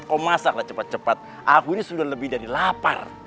kok masaklah cepet cepet aku ini sudah lebih dari lapar